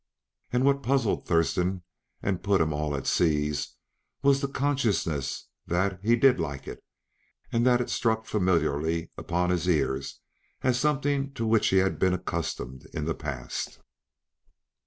And what puzzled Thurston and put him all at sea was the consciousness that he did like it, and that it struck familiarly upon his ears as something to which he had been accustomed in the past.